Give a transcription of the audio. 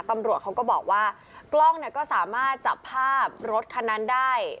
ตำรวจเขาก็บอกว่ากล้องเนี่ยก็สามารถจับภาพรถคันนั้นได้